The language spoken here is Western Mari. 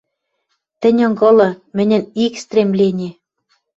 Тӹнь ынгылы, мӹньӹн ик стремлени